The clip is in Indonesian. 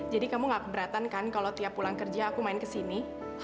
jadi kamu gak keberatan kan kalau tiap pulang kerja aku main ke sini